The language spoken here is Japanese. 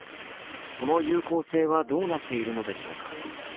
その有効性はどうなっているのでしょうか。